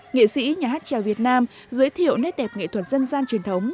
nghệ sĩ nhà hát trèo việt nam giới thiệu nét đẹp nghệ thuật dân gian truyền thống